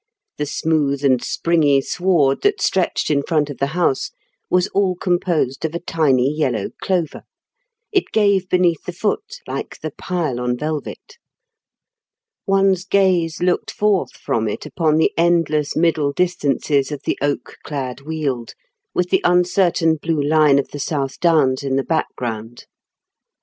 The smooth and springy sward that stretched in front of the house was all composed of a tiny yellow clover. It gave beneath the foot like the pile on velvet. One's gaze looked forth from it upon the endless middle distances of the oak clad Weald, with the uncertain blue line of the South Downs in the background.